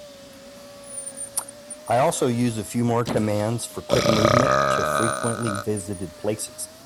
I also use a few more commands for quick movement to frequently visited places.